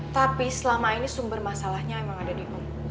tapi selama ini sumber masalahnya emang ada di om